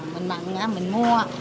mình mặn mình mua